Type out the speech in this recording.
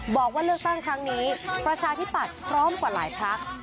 บอกว่าเลือกตั้งครั้งนี้ประชาธิปัตย์พร้อมกว่าหลายพัก